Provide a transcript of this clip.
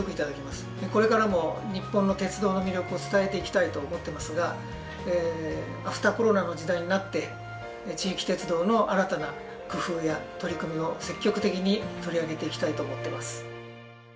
これからも日本の鉄道の魅力を伝えていきたいと思ってますがアフターコロナの時代になって地域鉄道の新たな工夫や取り組みを積極的に取り上げていきたいと思ってます。